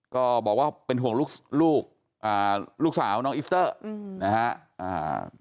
ก็บอกว่าเป็นห่วงลูกสาวน้องอิสเตอร์นะครับ